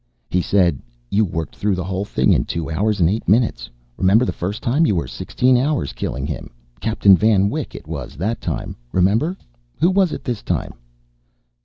He said, "You worked through the whole thing in two hours and eight minutes. Remember the first time? You were sixteen hours killing him. Captain Van Wyck it was that time, remember? Who was it this time?"